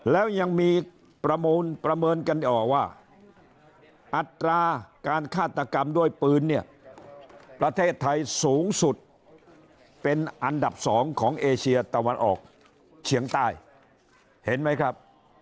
แล้วยังมีประเมินกันออกว่าอัตราการฆาตกรรมด้วยปืนเนี่ยประเทศไทยสูงสุดเป็นอันดับ๒ของเอเชียตะวันออกเฉียงใต้เห็นไหมครับ